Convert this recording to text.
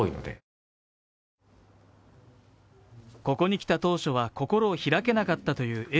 ここに来た当初は、心を開けなかったというＡ